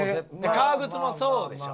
革靴もそうでしょ。